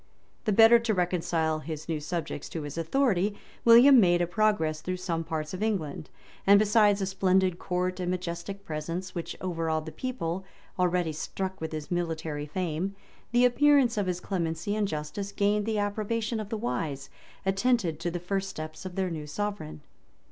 The better to reconcile his new subjects to his authority, William made a progress through some parts of England; and besides a splendid court and majestic presence, which overawed the people, already struck with his military fame, the appearance of his clemency and justice gained the approbation of the wise, attentive to the first steps of their new sovereign.